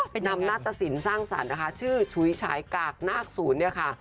นำหน้าตะสินสร้างสรรค์นะคะชื่อฉุยฉายกากนาคศูนย์เนี่ยค่ะ